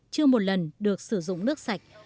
chưa một lần được sử dụng nước sạch